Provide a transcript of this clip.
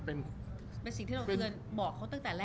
เป็นสิ่งที่เราเคยบอกเขาตั้งแต่แรก